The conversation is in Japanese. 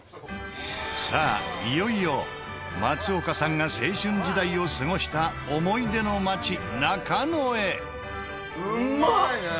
さあいよいよ松岡さんが青春時代を過ごした思い出の街中野へ！